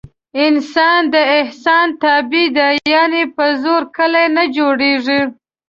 انسان د احسان تابع دی. یعنې په زور کلي نه جوړېږي.